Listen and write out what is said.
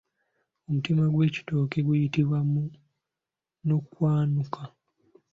Omutima gw'ekitooke guyitibwa munukwanukwa.